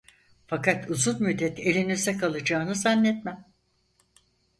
Fakat uzun müddet elinizde kalacağını zannetmem.